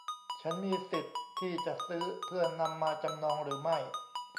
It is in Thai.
ฉันมีสิทธิ์ที่จะซื้อเพื่อนำมาจำนองหรือไม่